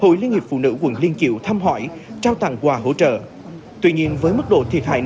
hội liên hiệp phụ nữ quận liên chiểu thăm hỏi trao tặng quà hỗ trợ